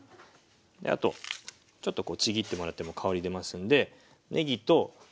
あとちょっとちぎってもらっても香り出ますんでねぎとにんにく。